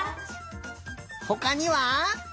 ほかには？